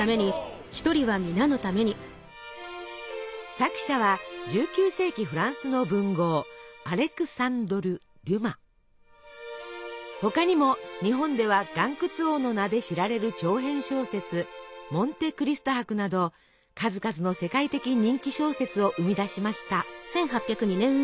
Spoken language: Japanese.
作者は１９世紀フランスの文豪他にも日本では「巌窟王」の名で知られる長編小説「モンテ・クリスト伯」など数々の世界的人気小説を生み出しました。